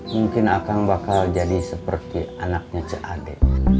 mungkin akang bakal jadi seperti anaknya cak ade